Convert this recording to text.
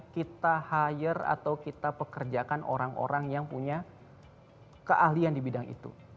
kita hire atau kita pekerjakan orang orang yang punya keahlian di bidang itu